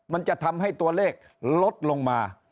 มันจะทำให้ตัวเลขลดลงมา